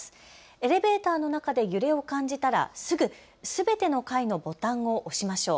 エレベーターの中で揺れを感じたら、すぐすべての階のボタンを押しましょう。